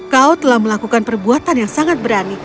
kau telah melakukan perbuatan yang sangat berani